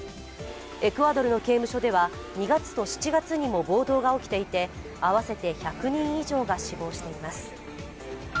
エクアドルの刑務所では２月と７月にも暴動が起きていて、合わせて１００人以上が死亡しています。